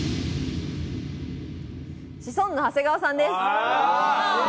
シソンヌ・長谷川さんです。